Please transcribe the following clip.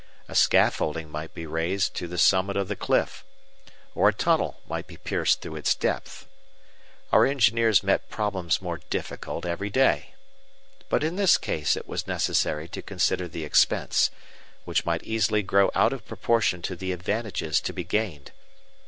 A scaffolding might be raised to the summit of the cliff; or a tunnel might be pierced through its depth. Our engineers met problems more difficult every day. But in this case it was necessary to consider the expense, which might easily grow out of proportion to the advantages to be gained.